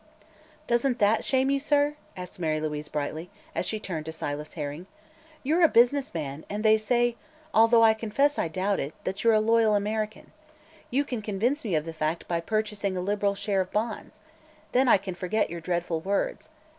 "Doesn't that shame you, sir?" asked Mary Louise brightly, as she turned to Silas Herring. "You're a business man, and they say although I confess I doubt it that you're a loyal American. You can convince me of the fact by purchasing a liberal share of bonds. Then I can forget your dreadful words.